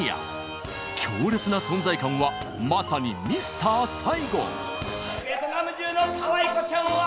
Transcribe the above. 強烈な存在感はまさに「ミスター・サイゴン」！